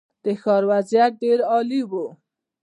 د ښار وضعیت ډېر عالي و.